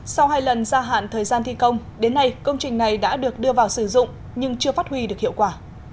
sau hai lần gia hạn thời gian thi công đến nay công trình này đã được đưa vào sử dụng nhưng chưa phát huy được hiệu quả